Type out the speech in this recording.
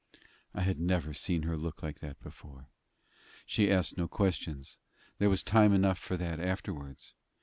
I had never seen her look like that before. She asked no questions: there was time enough for that afterwards.